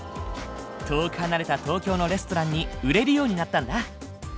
遠く離れた東京のレストランに売れるようになったんだ。